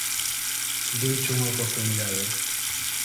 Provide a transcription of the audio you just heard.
Deuche unha oportunidade.